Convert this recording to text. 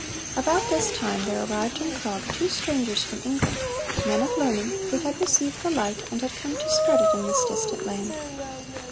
About this time there arrived in Prague two strangers from England, men of learning, who had received the light, and had come to spread it in this distant land.